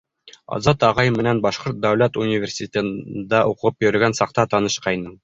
Азат ағай менән Башҡорт дәүләт университетында уҡып йөрөгән саҡта танышҡайным.